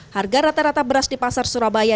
harga rata rata beras di pasar surabaya